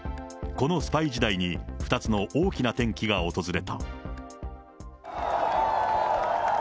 このスパイ時代に２つの大きな転機が訪れた。